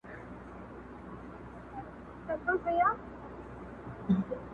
دواړو لاسونو يې د نيت په نيت غوږونه لمس کړل.